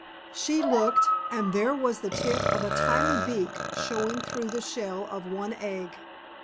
She looked, and there was the tip of a tiny beak showing through the shell of one egg.